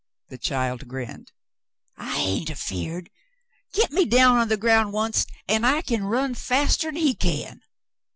The child grinned. "I hain't afeared. Get me down on the ground oncet, an' I c'n run faster'n he can."